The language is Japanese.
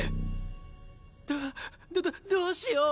どどどうしよう！